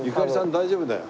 大丈夫だよ。